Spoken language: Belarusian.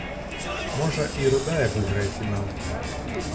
Можа, і рудая выйграе фінал.